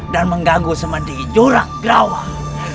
dan mengganggu sementara jurang gerawah